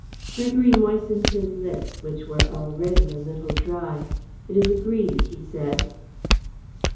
Gregory moistened his lips which were already a little dry. "It is agreed," he said.